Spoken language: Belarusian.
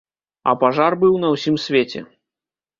А пажар быў на ўсім свеце.